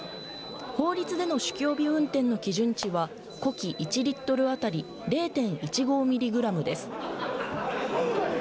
法律での酒気帯び運転の基準値は呼気１リットル当たり０．１５ミリグラムです。